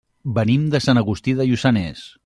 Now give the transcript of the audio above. Venim de Sant Agustí de Lluçanès.